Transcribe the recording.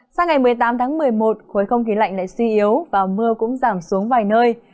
sang ngày một mươi tám tháng một mươi một khối không khí lạnh lại suy yếu và mưa cũng giảm xuống vài nơi